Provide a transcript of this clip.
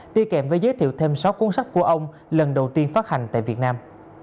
tuy kèm với giới thiệu thêm sáu cuốn sách của ông lần đầu tiên phát hành tại việt nam